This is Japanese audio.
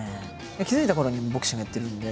気付いたころにはボクシングやってるんで。